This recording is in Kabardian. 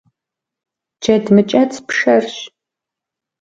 Джэд мыкӏэцӏ пшэрщ.